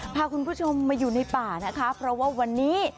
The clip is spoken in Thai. พาคุณผู้ชมมาอยู่ในป่านะคะเพราะว่าวันนี้